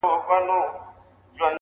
او يوه ورځ د بېګانه وو په حجره کي چېرته٫